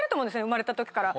生まれたときから。